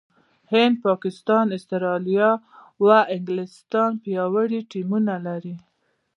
هند، پاکستان، استراليا او انګلستان پياوړي ټيمونه لري.